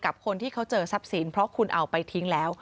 กับคนที่เขาเจอทรัพย์สินเพราะคุณเอาไปทิ้งแล้ว